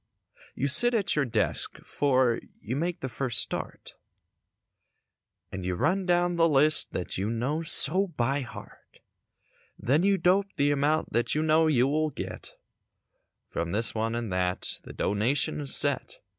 You sit at your desk 'fore you make the first start And you run down the list that you know so by heart; Then you dope the amount that you know you will get From this one and that. The donation is set.